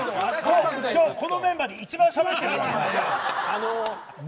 このメンバーで一番しゃべってるよ。